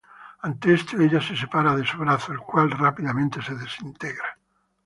Ante esto, ella se separa de su brazo, el cual rápidamente se desintegra.